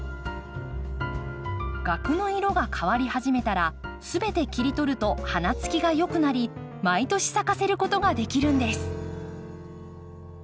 萼の色が変わり始めたら全て切り取ると花つきがよくなり毎年咲かせることができるんです。